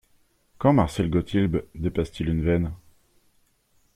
Quand Marcel Gotilb dépasse-t-il une veine?